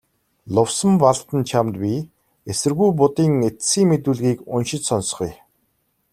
Лувсанбалдан чамд би эсэргүү Будын эцсийн мэдүүлгийг уншиж сонсгоё.